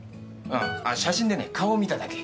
あ写真でね顔見ただけ。